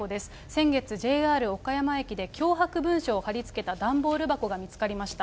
先月ＪＲ岡山駅で、脅迫文書を貼り付けた段ボール箱が見つかりました。